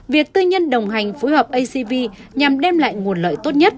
việc tư nhân đồng hành phối hợp acv nhằm đem lại nguồn lợi